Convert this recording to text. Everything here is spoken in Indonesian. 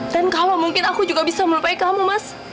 dan kalau mungkin aku juga bisa melupai kamu mas